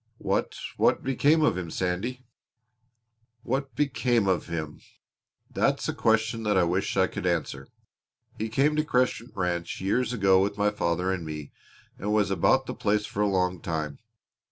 "What what became of him, Sandy?" "What became of him that's a question that I wish I could answer! He came to Crescent Ranch years ago with my father and me and was about the place for a long time.